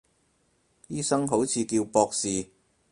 醫生好似叫博士